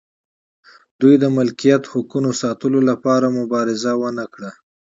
دوی د ملکیت حقونو ساتلو لپاره مبارزه ونه کړه.